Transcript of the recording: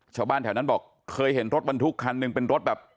ชาวบ้านแถวนั้นบอกเคยเห็นรถบรรทุกคันหนึ่งเป็นรถแบบ